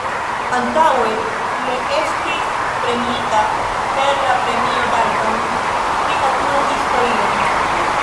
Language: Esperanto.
Antaŭe le estis premiita per la Premio Dalton pri natura historio.